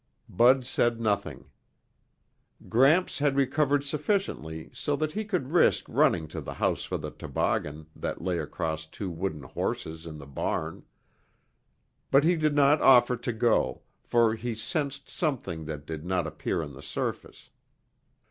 Bud said nothing. Gramps had recovered sufficiently so that he could risk running to the house for the toboggan that lay across two wooden horses in the barn. But he did not offer to go, for he sensed something that did not appear on the surface.